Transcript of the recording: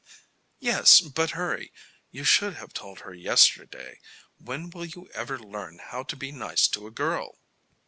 "Yes, but hurry. You should have told her yesterday. When will you ever learn how to be nice to a girl?"